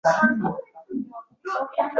Endi tushundingmi?